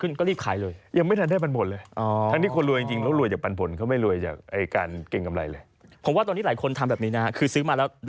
คือตอบคำถามนี้จะทำให้มีสติมากขึ้น